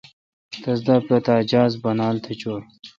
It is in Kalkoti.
تس دا پتا دے جہاز بانال تھ چویں ۔